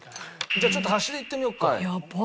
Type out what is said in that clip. じゃあちょっと端でいってみようか。